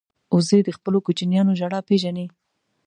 وزې د خپلو کوچنیانو ژړا پېژني